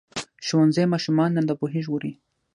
ښوونځی ماشومان له ناپوهۍ ژغوري.